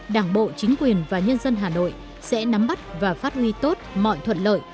đảng bộ chính quyền và nhân dân hà nội sẽ nắm bắt và phát huy tốt mọi thuận lợi